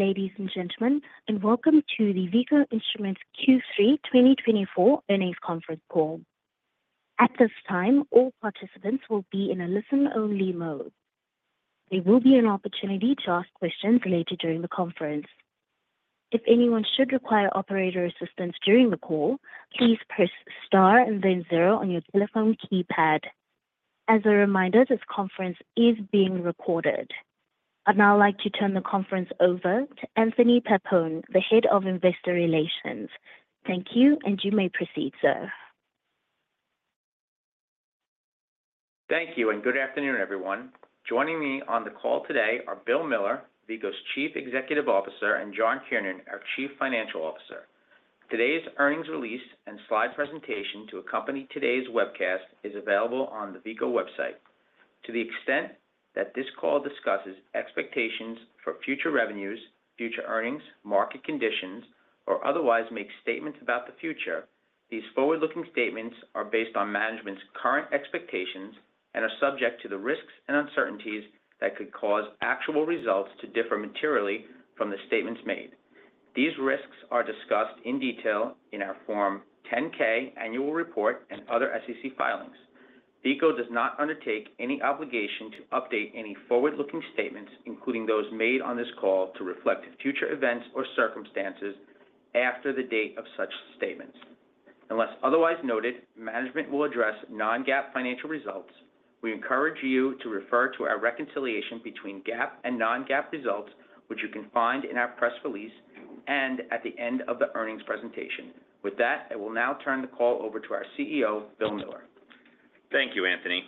Ladies and gentlemen, and welcome to the Veeco Instruments Q3 2024 earnings conference call. At this time, all participants will be in a listen-only mode. There will be an opportunity to ask questions later during the conference. If anyone should require operator assistance during the call, please press star and then zero on your telephone keypad. As a reminder, this conference is being recorded. I'd now like to turn the conference over to Anthony Pappone, the head of investor relations. Thank you, and you may proceed, sir. Thank you, and good afternoon, everyone. Joining me on the call today are Bill Miller, Veeco's Chief Executive Officer, and John Kiernan, our Chief Financial Officer. Today's earnings release and slide presentation to accompany today's webcast is available on the Veeco website. To the extent that this call discusses expectations for future revenues, future earnings, market conditions, or otherwise make statements about the future, these forward-looking statements are based on management's current expectations and are subject to the risks and uncertainties that could cause actual results to differ materially from the statements made. These risks are discussed in detail in our Form 10-K annual report and other SEC filings. Veeco does not undertake any obligation to update any forward-looking statements, including those made on this call, to reflect future events or circumstances after the date of such statements. Unless otherwise noted, management will address non-GAAP financial results. We encourage you to refer to our reconciliation between GAAP and non-GAAP results, which you can find in our press release and at the end of the earnings presentation. With that, I will now turn the call over to our CEO, Bill Miller. Thank you, Anthony.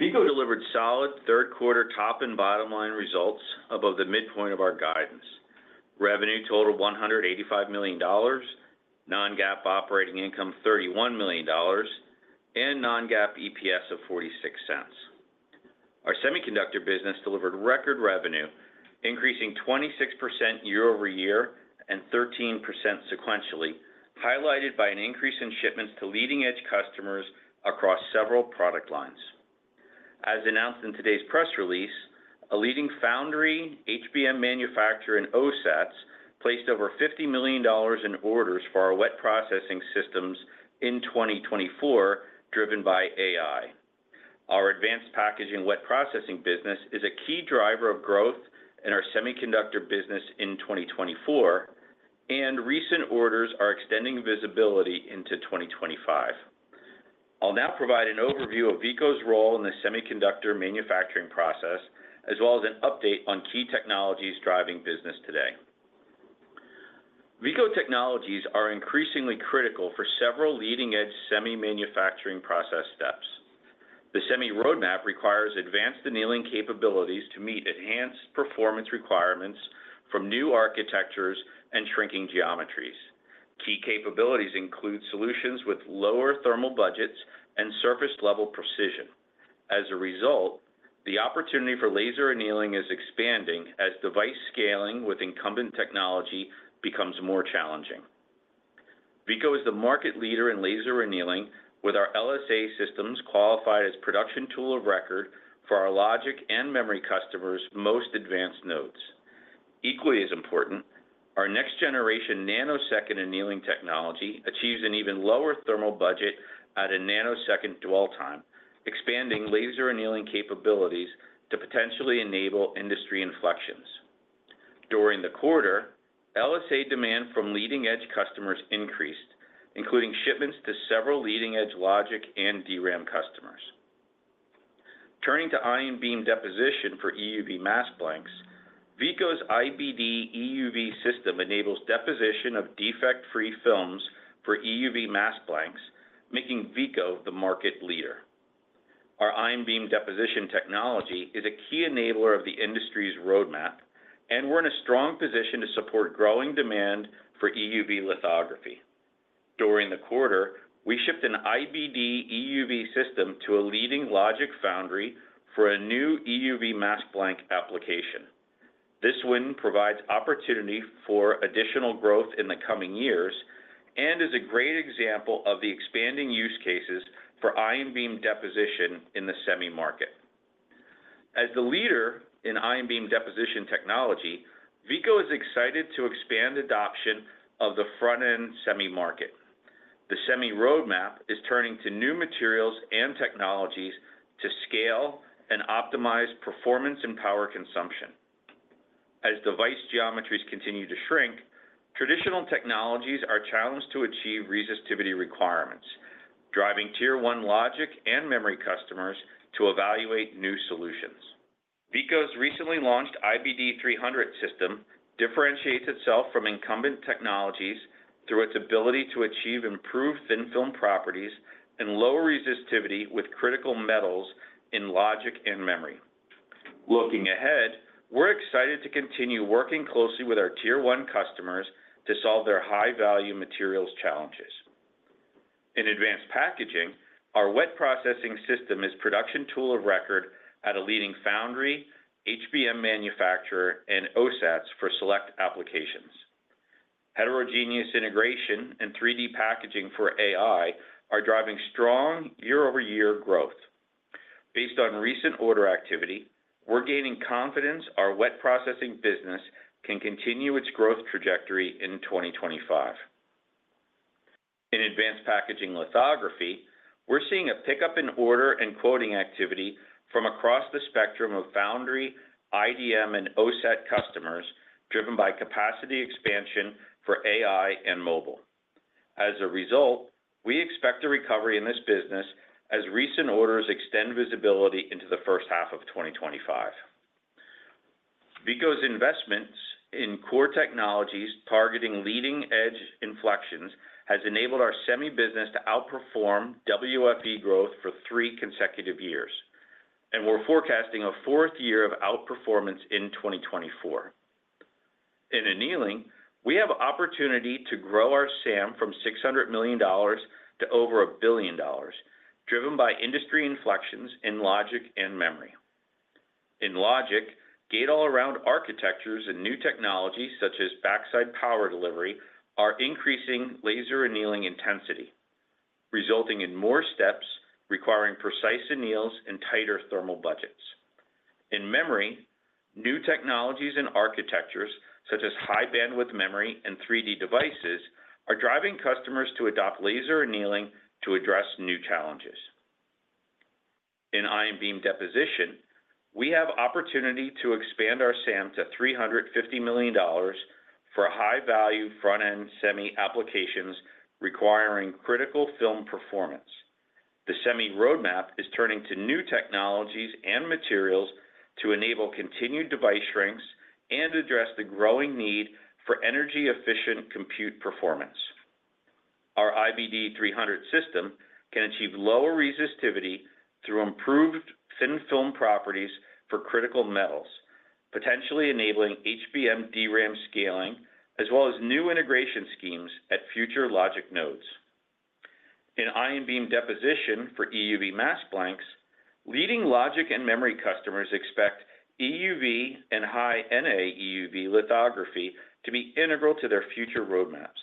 Veeco delivered solid 3Q top- and bottom-line results above the midpoint of our guidance: revenue total $185 million, non-GAAP operating income $31 million, and non-GAAP EPS of $0.46. Our semiconductor business delivered record revenue, increasing 26% year-over-year and 13% sequentially, highlighted by an increase in shipments to leading-edge customers across several product lines. As announced in today's press release, a leading foundry HBM manufacturer, and OSATs placed over $50 million in orders for our wet processing systems in 2024, driven by AI. Our advanced packaging wet processing business is a key driver of growth in our semiconductor business in 2024, and recent orders are extending visibility into 2025. I'll now provide an overview of Veeco's role in the semiconductor manufacturing process, as well as an update on key technologies driving business today. Veeco technologies are increasingly critical for several leading-edge semiconductor manufacturing process steps. The semi roadmap requires advanced annealing capabilities to meet enhanced performance requirements from new architectures and shrinking geometries. Key capabilities include solutions with lower thermal budgets and surface-level precision. As a result, the opportunity for laser annealing is expanding as device scaling with incumbent technology becomes more challenging. Veeco is the market leader in laser annealing, with our LSA systems qualified as production tool of record for our logic and memory customers' most advanced nodes. Equally as important, our next-generation nanosecond annealing technology achieves an even lower thermal budget at a nanosecond dwell time, expanding laser annealing capabilities to potentially enable industry inflections. During the quarter, LSA demand from leading-edge customers increased, including shipments to several leading-edge logic and DRAM customers. Turning to ion beam deposition for EUV mask blanks, Veeco's IBD EUV system enables deposition of defect-free films for EUV mask blanks, making Veeco the market leader. Our ion beam deposition technology is a key enabler of the industry's roadmap, and we're in a strong position to support growing demand for EUV lithography. During the quarter, we shipped an IBD EUV system to a leading logic foundry for a new EUV mask blank application. This win provides opportunity for additional growth in the coming years and is a great example of the expanding use cases for ion beam deposition in the semi market. As the leader in ion beam deposition technology, Veeco is excited to expand adoption of the front-end semi market. The semi roadmap is turning to new materials and technologies to scale and optimize performance and power consumption. As device geometries continue to shrink, traditional technologies are challenged to achieve resistivity requirements, driving tier-one logic and memory customers to evaluate new solutions. Veeco's recently launched IBD 300 system differentiates itself from incumbent technologies through its ability to achieve improved thin film properties and low resistivity with critical metals in logic and memory. Looking ahead, we're excited to continue working closely with our tier-one customers to solve their high-value materials challenges. In advanced packaging, our wet processing system is production tool of record at a leading foundry, HBM manufacturer, and OSATs for select applications. Heterogeneous integration and 3D packaging for AI are driving strong year-over-year growth. Based on recent order activity, we're gaining confidence our wet processing business can continue its growth trajectory in 2025. In advanced packaging lithography, we're seeing a pickup in order and quoting activity from across the spectrum of foundry, IDM, and OSAT customers, driven by capacity expansion for AI and mobile. As a result, we expect a recovery in this business as recent orders extend visibility into the first half of 2025. Veeco's investments in core technologies targeting leading-edge inflections have enabled our semi business to outperform WFE growth for three consecutive years, and we're forecasting a fourth year of outperformance in 2024. In annealing, we have opportunity to grow our SAM from $600 million to over a billion, driven by industry inflections in logic and memory. In logic, gate-all-around architectures and new technologies such as backside power delivery are increasing laser annealing intensity, resulting in more steps requiring precise anneals and tighter thermal budgets. In memory, new technologies and architectures such as high-bandwidth memory and 3D devices are driving customers to adopt laser annealing to address new challenges. In ion beam deposition, we have opportunity to expand our SAM to $350 million for high-value front-end semi applications requiring critical film performance. The semi roadmap is turning to new technologies and materials to enable continued device shrinks and address the growing need for energy-efficient compute performance. Our IBD 300 system can achieve lower resistivity through improved thin film properties for critical metals, potentially enabling HBM DRAM scaling, as well as new integration schemes at future logic nodes. In ion beam deposition for EUV mask blanks, leading logic and memory customers expect EUV and high-NA EUV lithography to be integral to their future roadmaps.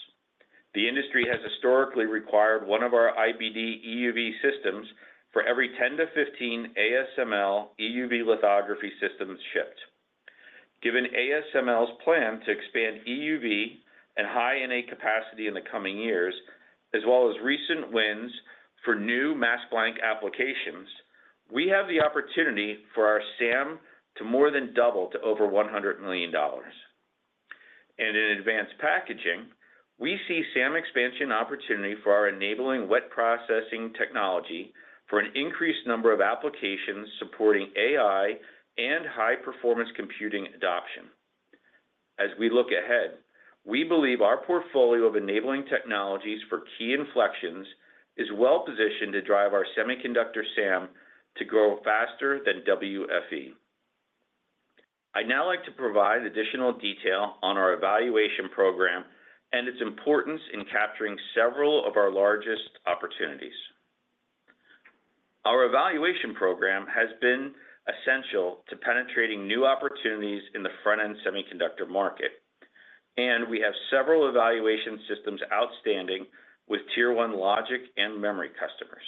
The industry has historically required one of our IBD EUV systems for every 10 to 15 ASML EUV lithography systems shipped. Given ASML's plan to expand EUV and high-NA capacity in the coming years, as well as recent wins for new mask blank applications, we have the opportunity for our SAM to more than double to over $100 million. And in advanced packaging, we see SAM expansion opportunity for our enabling wet processing technology for an increased number of applications supporting AI and high-performance computing adoption. As we look ahead, we believe our portfolio of enabling technologies for key inflections is well-positioned to drive our semiconductor SAM to grow faster than WFE. I'd now like to provide additional detail on our evaluation program and its importance in capturing several of our largest opportunities. Our evaluation program has been essential to penetrating new opportunities in the front-end semiconductor market, and we have several evaluation systems outstanding with tier-one logic and memory customers.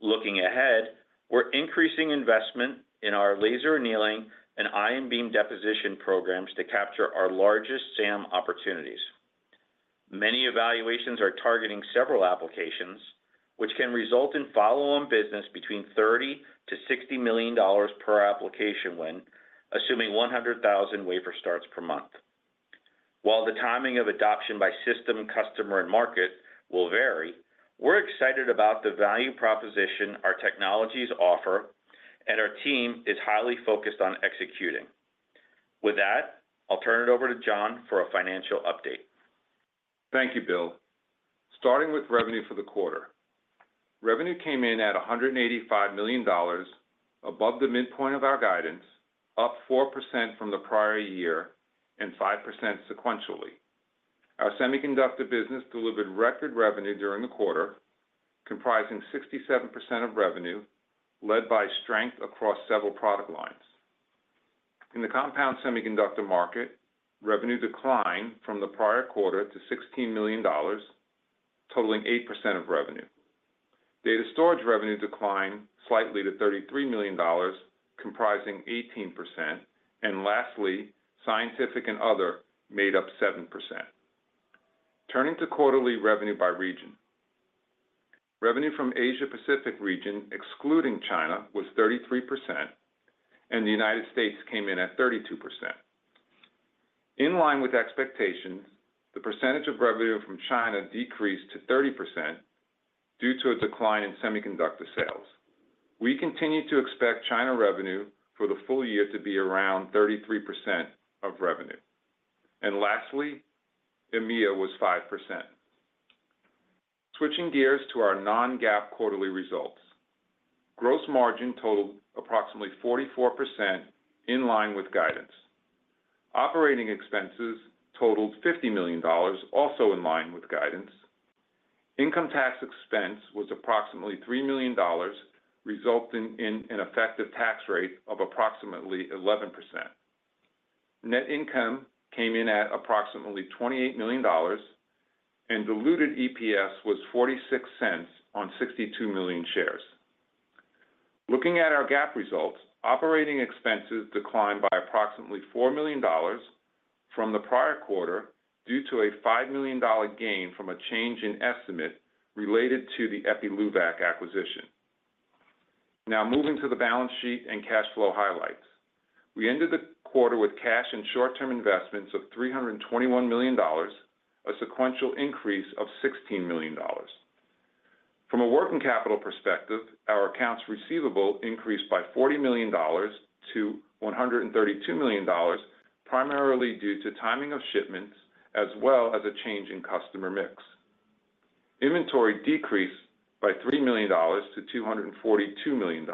Looking ahead, we're increasing investment in our laser annealing and ion beam deposition programs to capture our largest SAM opportunities. Many evaluations are targeting several applications, which can result in follow-on business between $30-$60 million per application win, assuming 100,000 wafer starts per month. While the timing of adoption by system, customer, and market will vary, we're excited about the value proposition our technologies offer, and our team is highly focused on executing. With that, I'll turn it over to John for a financial update. Thank you, Bill. Starting with revenue for the quarter, revenue came in at $185 million, above the midpoint of our guidance, up 4% from the prior year and 5% sequentially. Our semiconductor business delivered record revenue during the quarter, comprising 67% of revenue, led by strength across several product lines. In the compound semiconductor market, revenue declined from the prior quarter to $16 million, totaling 8% of revenue. Data storage revenue declined slightly to $33 million, comprising 18%, and lastly, scientific and other made up 7%. Turning to quarterly revenue by region, revenue from Asia-Pacific region, excluding China, was 33%, and the United States came in at 32%. In line with expectations, the percentage of revenue from China decreased to 30% due to a decline in semiconductor sales. We continue to expect China revenue for the full year to be around 33% of revenue. And lastly, EMEA was 5%. Switching gears to our non-GAAP quarterly results, gross margin totaled approximately 44%, in line with guidance. Operating expenses totaled $50 million, also in line with guidance. Income tax expense was approximately $3 million, resulting in an effective tax rate of approximately 11%. Net income came in at approximately $28 million, and diluted EPS was $0.46 on 62 million shares. Looking at our GAAP results, operating expenses declined by approximately $4 million from the prior quarter due to a $5 million gain from a change in estimate related to the Epiluvac acquisition. Now moving to the balance sheet and cash flow highlights. We ended the quarter with cash and short-term investments of $321 million, a sequential increase of $16 million. From a working capital perspective, our accounts receivable increased by $40 million-$132 million, primarily due to timing of shipments, as well as a change in customer mix. Inventory decreased by $3 million to $242 million,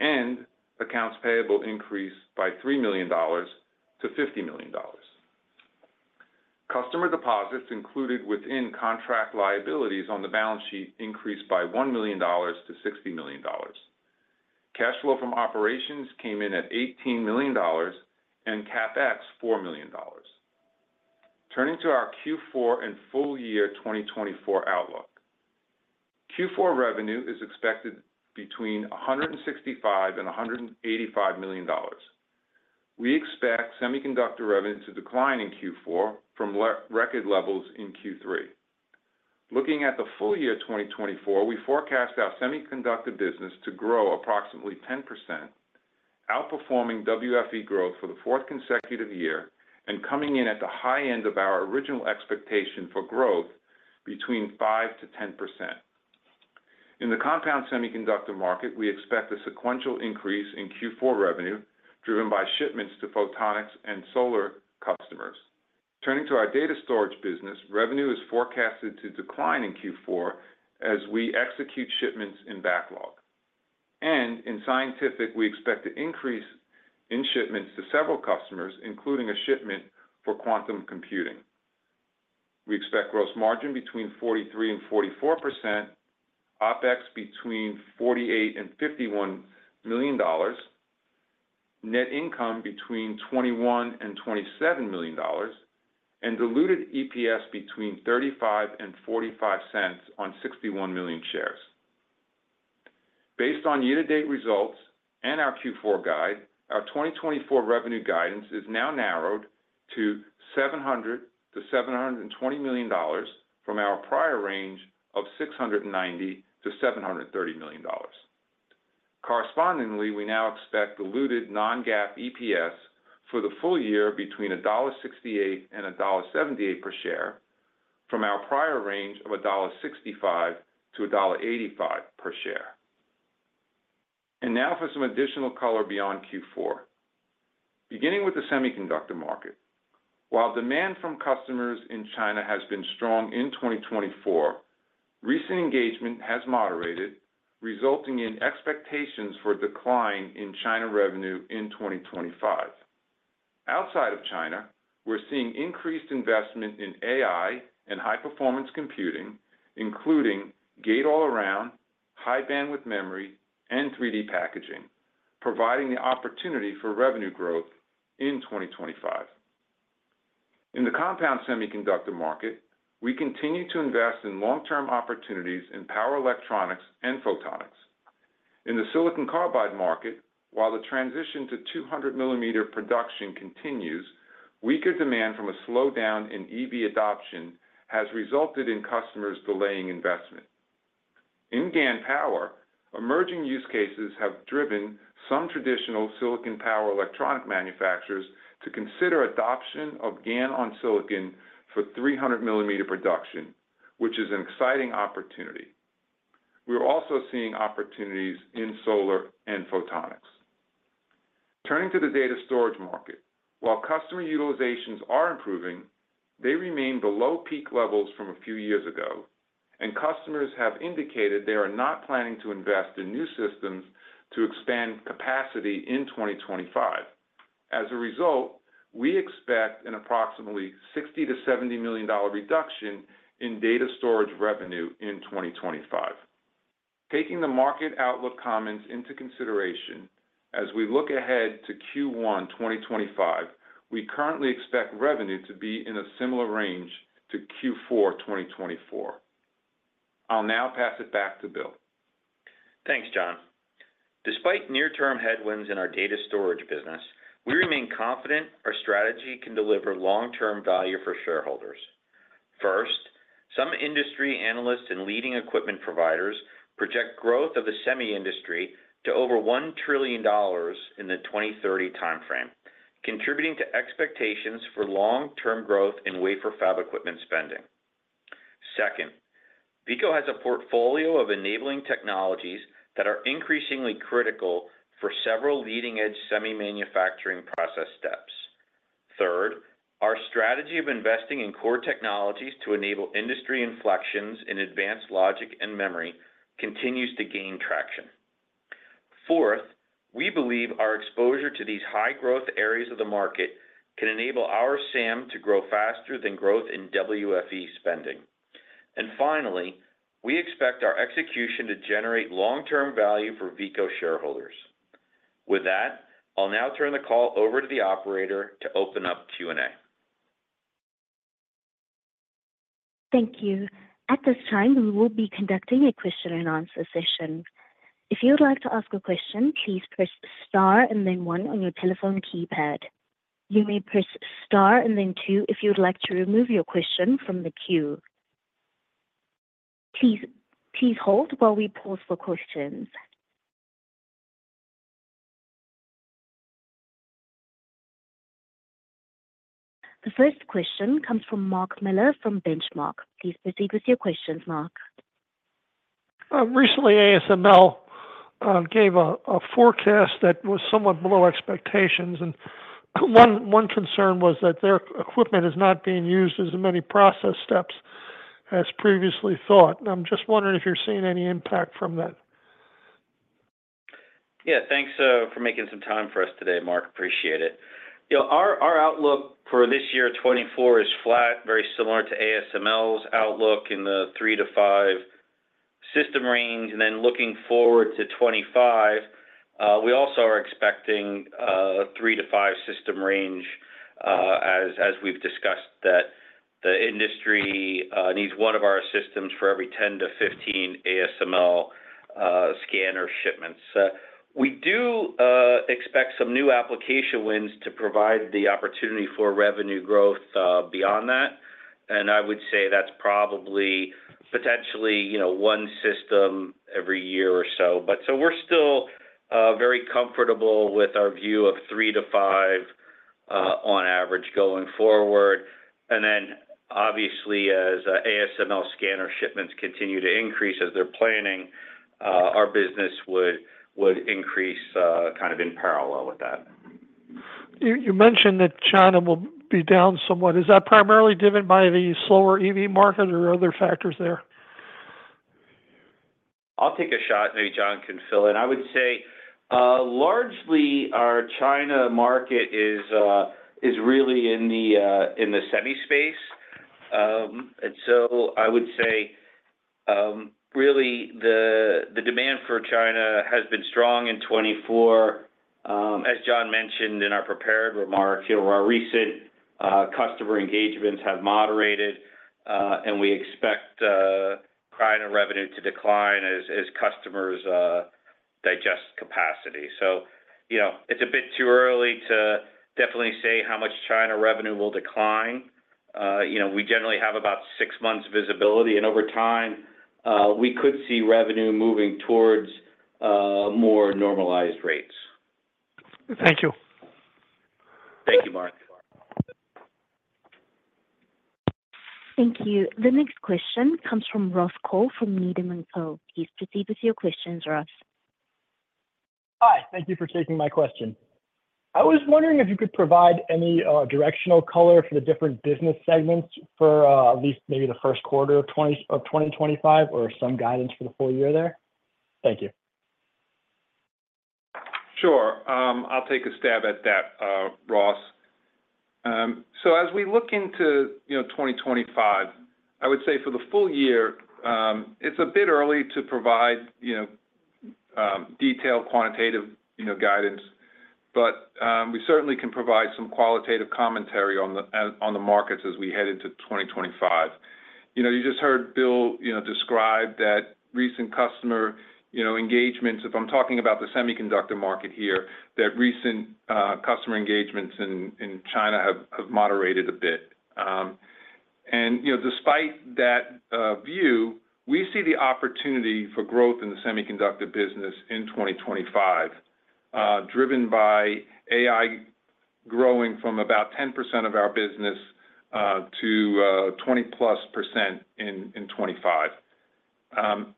and accounts payable increased by $3 million to $50 million. Customer deposits included within contract liabilities on the balance sheet increased by $1 million to $60 million. Cash flow from operations came in at $18 million and CapEx $4 million. Turning to our Q4 and full year 2024 outlook, Q4 revenue is expected between $165-$185 million. We expect semiconductor revenue to decline in Q4 from record levels in Q3. Looking at the full year 2024, we forecast our semiconductor business to grow approximately 10%, outperforming WFE growth for the fourth consecutive year and coming in at the high end of our original expectation for growth between 5%-10%. In the compound semiconductor market, we expect a sequential increase in Q4 revenue driven by shipments to photonics and solar customers. Turning to our data storage business, revenue is forecasted to decline in Q4 as we execute shipments in backlog. In scientific, we expect an increase in shipments to several customers, including a shipment for quantum computing. We expect gross margin between 43 and 44%, OpEx between $48 and $51 million, net income between $21 and $27 million, and diluted EPS between $0.35 and $0.45 on 61 million shares. Based on year-to-date results and our Q4 guide, our 2024 revenue guidance is now narrowed to $700-$720 million from our prior range of $690-$730 million. Correspondingly, we now expect diluted non-GAAP EPS for the full year between $1.68 and $1.78 per share from our prior range of $1.65-$1.85 per share. Now for some additional color beyond Q4. Beginning with the semiconductor market, while demand from customers in China has been strong in 2024, recent engagement has moderated, resulting in expectations for a decline in China revenue in 2025. Outside of China, we're seeing increased investment in AI and high-performance computing, including gate-all-around, high-bandwidth memory, and 3D packaging, providing the opportunity for revenue growth in 2025. In the compound semiconductor market, we continue to invest in long-term opportunities in power electronics and photonics. In the silicon carbide market, while the transition to 200-millimeter production continues, weaker demand from a slowdown in EV adoption has resulted in customers delaying investment. In GaN power, emerging use cases have driven some traditional silicon power electronic manufacturers to consider adoption of GaN on silicon for 300-millimeter production, which is an exciting opportunity. We're also seeing opportunities in solar and photonics. Turning to the data storage market, while customer utilizations are improving, they remain below peak levels from a few years ago, and customers have indicated they are not planning to invest in new systems to expand capacity in 2025. As a result, we expect an approximately $60-$70 million reduction in data storage revenue in 2025. Taking the market outlook comments into consideration, as we look ahead to Q1 2025, we currently expect revenue to be in a similar range to Q4 2024. I'll now pass it back to Bill. Thanks, John. Despite near-term headwinds in our data storage business, we remain confident our strategy can deliver long-term value for shareholders. First, some industry analysts and leading equipment providers project growth of the semi industry to over $1 trillion in the 2030 timeframe, contributing to expectations for long-term growth in wafer fab equipment spending. Second, Veeco has a portfolio of enabling technologies that are increasingly critical for several leading-edge semi manufacturing process steps. Third, our strategy of investing in core technologies to enable industry inflections in advanced logic and memory continues to gain traction. Fourth, we believe our exposure to these high-growth areas of the market can enable our SAM to grow faster than growth in WFE spending. And finally, we expect our execution to generate long-term value for Veeco shareholders. With that, I'll now turn the call over to the operator to open up Q&A. Thank you. At this time, we will be conducting a question and answer session. If you would like to ask a question, please press star and then one on your telephone keypad. You may press star and then two if you would like to remove your question from the queue. Please hold while we pause for questions. The first question comes from Mark Miller from Benchmark. Please proceed with your questions, Mark. Recently, ASML gave a forecast that was somewhat below expectations, and one concern was that their equipment is not being used as many process steps as previously thought. I'm just wondering if you're seeing any impact from that? Yeah, thanks for making some time for us today, Mark. Appreciate it. Our outlook for this year, 2024, is flat, very similar to ASML's outlook in the three to five system range, and then looking forward to 2025, we also are expecting three to five system range, as we've discussed, that the industry needs one of our systems for every 10-15 ASML scanner shipments. We do expect some new application wins to provide the opportunity for revenue growth beyond that, and I would say that's probably potentially one system every year or so. So we're still very comfortable with our view of three to five on average going forward, and then, obviously, as ASML scanner shipments continue to increase as they're planning, our business would increase kind of in parallel with that. You mentioned that China will be down somewhat. Is that primarily driven by the slower EV market or other factors there? I'll take a shot and maybe John can fill in. I would say largely our China market is really in the semi space, and so I would say really the demand for China has been strong in 2024. As John mentioned in our prepared remark, our recent customer engagements have moderated, and we expect China revenue to decline as customers digest capacity, so it's a bit too early to definitely say how much China revenue will decline. We generally have about six months' visibility, and over time, we could see revenue moving towards more normalized rates. Thank you. Thank you, Mark. Thank you. The next question comes from Ross Cole from Needham & Co. Please proceed with your questions, Ross. Hi. Thank you for taking my question. I was wondering if you could provide any directional color for the different business segments for at least maybe the 1Q of 2025 or some guidance for the full year there? Thank you. Sure. I'll take a stab at that, Ross. So as we look into 2025, I would say for the full year, it's a bit early to provide detailed quantitative guidance, but we certainly can provide some qualitative commentary on the markets as we head into 2025. You just heard Bill describe that recent customer engagements. If I'm talking about the semiconductor market here, recent customer engagements in China have moderated a bit, and despite that view, we see the opportunity for growth in the semiconductor business in 2025, driven by AI growing from about 10% of our business to 20-plus% in 2025.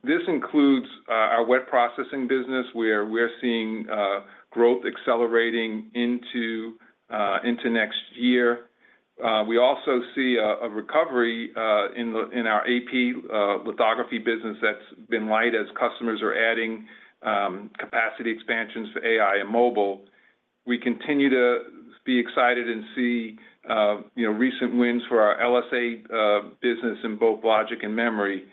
This includes our wet processing business, where we're seeing growth accelerating into next year. We also see a recovery in our AP lithography business that's been light as customers are adding capacity expansions for AI and mobile. We continue to be excited and see recent wins for our LSA business in both logic and memory.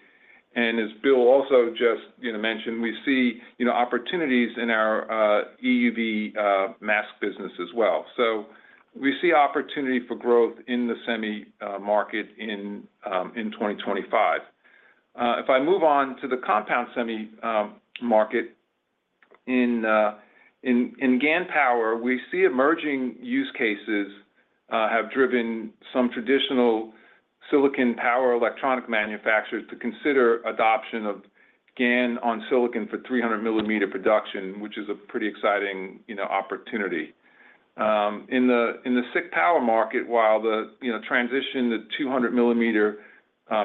As Bill also just mentioned, we see opportunities in our EUV mask business as well. We see opportunity for growth in the semi market in 2025. If I move on to the compound semi market, in GaN power, we see emerging use cases have driven some traditional silicon power electronic manufacturers to consider adoption of GaN on silicon for 300-millimeter production, which is a pretty exciting opportunity. In the SiC power market, while the transition to 200-millimeter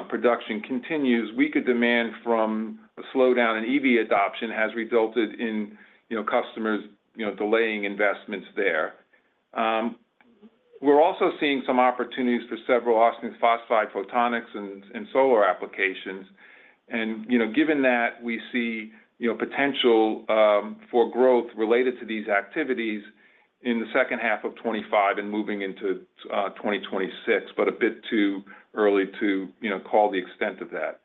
production continues, weaker demand from a slowdown in EV adoption has resulted in customers delaying investments there. We're also seeing some opportunities for several arsenide phosphide photonics and solar applications. Given that, we see potential for growth related to these activities in the second half of 2025 and moving into 2026, but a bit too early to call the extent of that.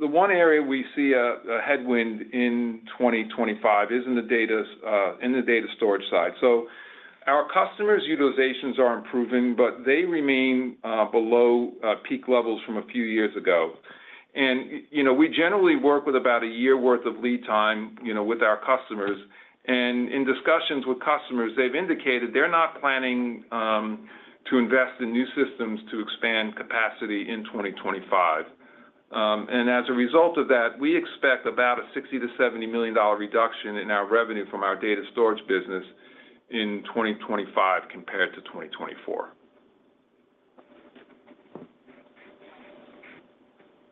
The one area we see a headwind in 2025 is in the data storage side. Our customers' utilizations are improving, but they remain below peak levels from a few years ago. We generally work with about a year's worth of lead time with our customers. In discussions with customers, they've indicated they're not planning to invest in new systems to expand capacity in 2025. As a result of that, we expect about a $60-$70 million reduction in our revenue from our data storage business in 2025 compared to 2024.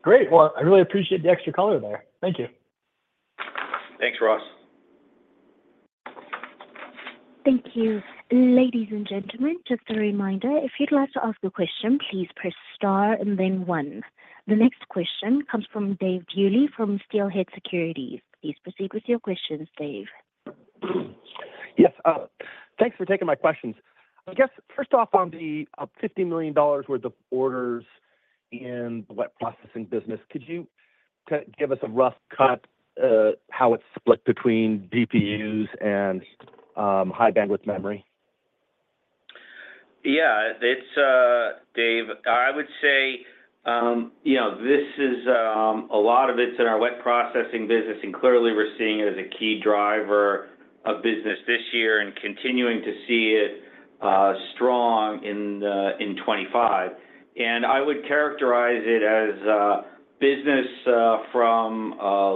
Great. Well, I really appreciate the extra color there. Thank you. Thanks, Ross. Thank you. Ladies and gentlemen, just a reminder, if you'd like to ask a question, please press star and then one. The next question comes from Dave Duley from Steelhead Securities. Please proceed with your questions, Dave. Yes. Thanks for taking my questions. I guess, first off, on the $50 million worth of orders in the wet processing business, could you give us a rough cut of how it's split between DPUs and high-bandwidth memory? Yeah. Dave, I would say this is a lot of it's in our wet processing business, and clearly we're seeing it as a key driver of business this year and continuing to see it strong in 2025. And I would characterize it as business from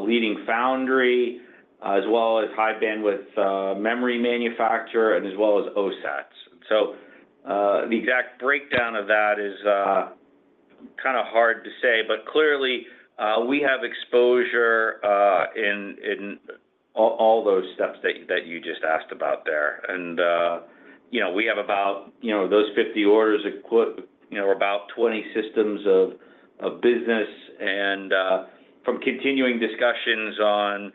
leading foundry as well as high-bandwidth memory manufacturer and as well as OSATs. So the exact breakdown of that is kind of hard to say, but clearly we have exposure in all those steps that you just asked about there. And we have about those 50 orders are about 20 systems of business. And from continuing discussions on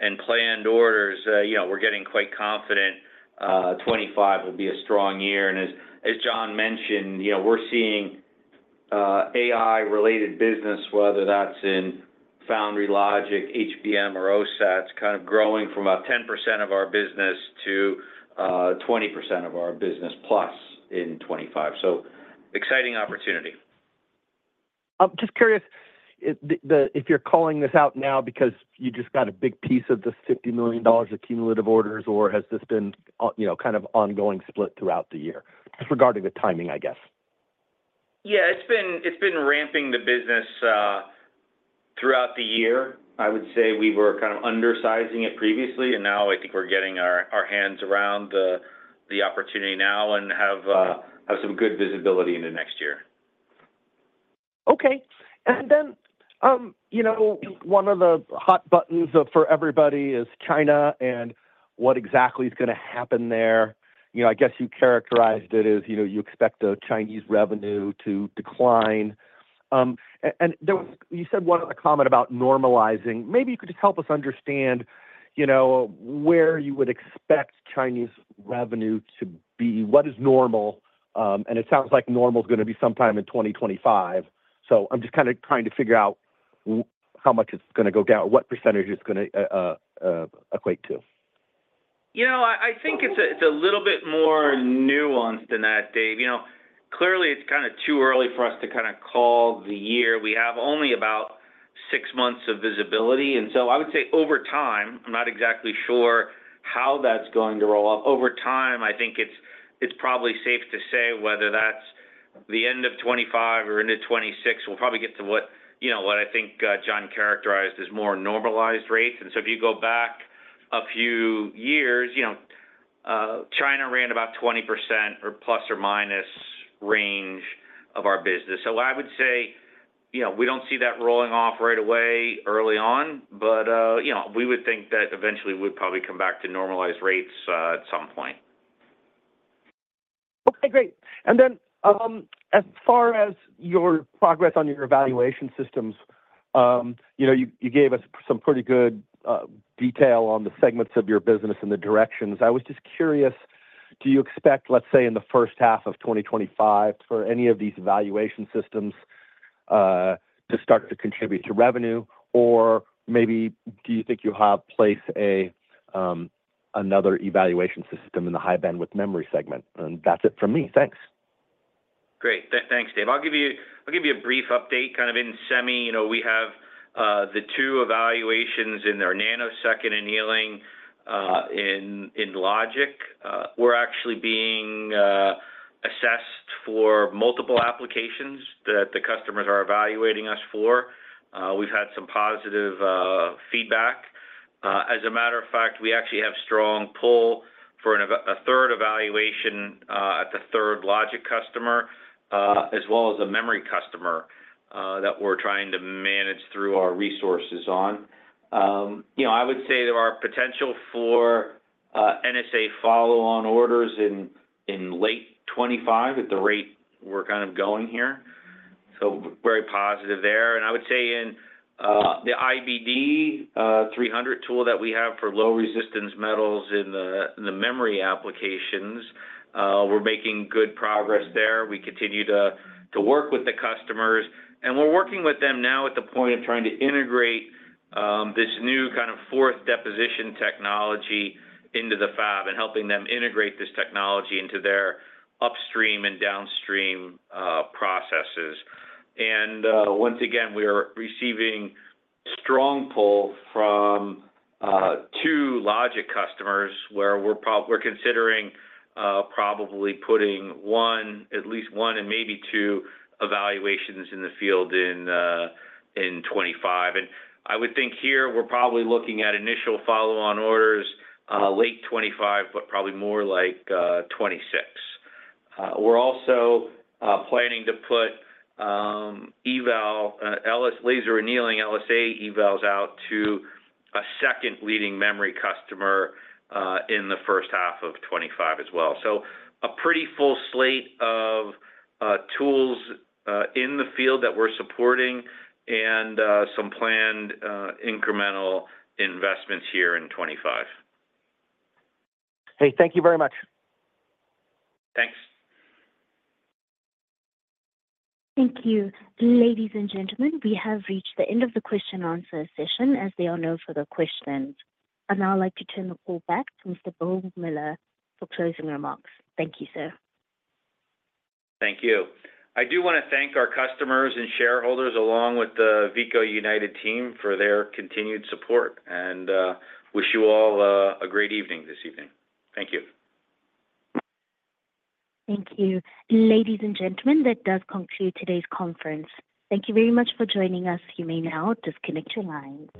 and planned orders, we're getting quite confident 2025 will be a strong year. And as John mentioned, we're seeing AI-related business, whether that's in foundry, logic, HBM, or OSATs, kind of growing from about 10% of our business to 20% of our business plus in 2025. So exciting opportunity. I'm just curious if you're calling this out now because you just got a big piece of the $50 million accumulative orders, or has this been kind of ongoing split throughout the year? Just regarding the timing, I guess. Yeah. It's been ramping the business throughout the year. I would say we were kind of undersizing it previously, and now I think we're getting our hands around the opportunity now and have some good visibility in the next year. Okay. And then one of the hot buttons for everybody is China and what exactly is going to happen there. I guess you characterized it as you expect the Chinese revenue to decline. And you said one of the comments about normalizing. Maybe you could just help us understand where you would expect Chinese revenue to be. What is normal? And it sounds like normal is going to be sometime in 2025. So I'm just kind of trying to figure out how much it's going to go down or what percentage it's going to equate to. I think it's a little bit more nuanced than that, Dave. Clearly, it's kind of too early for us to kind of call the year. We have only about six months of visibility. And so I would say over time, I'm not exactly sure how that's going to roll off. Over time, I think it's probably safe to say whether that's the end of 2025 or into 2026, we'll probably get to what I think John characterized as more normalized rates. And so if you go back a few years, China ran about 20% or plus or minus range of our business. So I would say we don't see that rolling off right away early on, but we would think that eventually we would probably come back to normalized rates at some point. Okay. Great. And then as far as your progress on your evaluation systems, you gave us some pretty good detail on the segments of your business and the directions. I was just curious, do you expect, let's say, in the first half of 2025 for any of these evaluation systems to start to contribute to revenue, or maybe do you think you'll place another evaluation system in the high-bandwidth memory segment? And that's it for me. Thanks. Great. Thanks, Dave. I'll give you a brief update kind of in semi. We have the two evaluations in our nanosecond annealing in logic. We're actually being assessed for multiple applications that the customers are evaluating us for. We've had some positive feedback. As a matter of fact, we actually have strong pull for a third evaluation at the third logic customer as well as a memory customer that we're trying to manage through our resources on. I would say there are potential for NSA follow-on orders in late 2025 at the rate we're kind of going here. So very positive there. And I would say in the IBD 300 tool that we have for low-resistance metals in the memory applications, we're making good progress there. We continue to work with the customers. And we're working with them now at the point of trying to integrate this new kind of fourth deposition technology into the fab and helping them integrate this technology into their upstream and downstream processes. And once again, we are receiving strong pull from two logic customers where we're considering probably putting at least one and maybe two evaluations in the field in 2025. And I would think here we're probably looking at initial follow-on orders late 2025, but probably more like 2026. We're also planning to put LSA evals out to a second leading memory customer in the first half of 2025 as well. So a pretty full slate of tools in the field that we're supporting and some planned incremental investments here in 2025. Hey, thank you very much. Thanks. Thank you. Ladies and gentlemen, we have reached the end of the question-answer session, as there are no more questions. And I'd like to turn the call back to Mr. Bill Miller for closing remarks. Thank you, sir. Thank you. I do want to thank our customers and shareholders along with the Veeco United team for their continued support and wish you all a great evening this evening. Thank you. Thank you. Ladies and gentlemen, that does conclude today's conference. Thank you very much for joining us. You may now disconnect your lines.